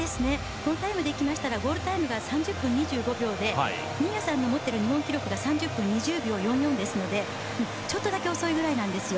このタイムでいきましたらゴールタイムが３０分２２秒で新谷さんの持っているタイムが３０分２０秒４４なのでちょっとだけ遅いぐらいなんですよ。